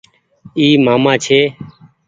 اي مآمآ ڇي ۔